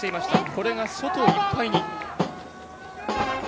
これが外いっぱいに。